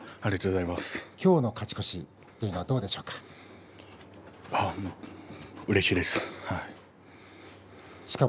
きょうの勝ち越しはどうですか。